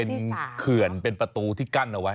เป็นเขื่อนเป็นประตูที่กั้นเอาไว้